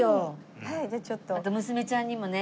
あと娘ちゃんにもね。